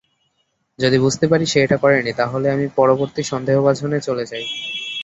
যদি বুঝতে পারি সে এটা করেনি, তাহলে আমি পরবর্তী সন্দেহভাজনে চলে যাই।